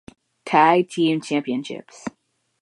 Tag Team Championships.